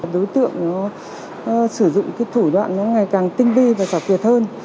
đối tượng sử dụng thủ đoạn ngày càng tinh vi và giả quyệt hơn